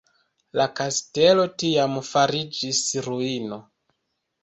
La kastelo tiam fariĝis ruino.